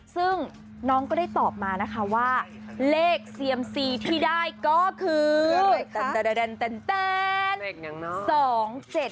ซึ่งน้องก็ได้ตอบมานะคะว่าเลขเซียมซีที่ได้ก็คือ